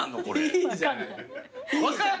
いいじゃん。